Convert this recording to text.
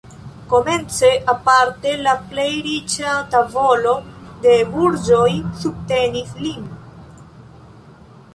Komence aparte la plej riĉa tavolo de burĝoj subtenis lin.